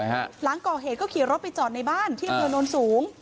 หลังก่อเหตุก็ขี่รถไปจอดในบ้านที่อำเภอโน้นสูง